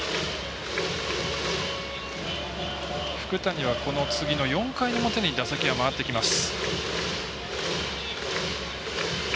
福谷は、この次の４回の表に打席が回ってきます。